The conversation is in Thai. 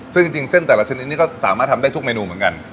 ซึ่งจริงเส้นแต่ละชนิดนี้ก็สามารถทำได้ทุกเมนูเหมือนกัน